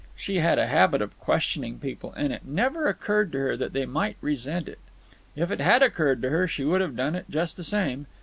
She had a habit of questioning people, and it never occurred to her that they might resent it. If it had occurred to her, she would have done it just the same.